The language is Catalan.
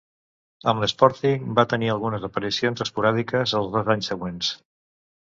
Amb l'Sporting va tenir algunes aparicions esporàdiques en els dos anys següents.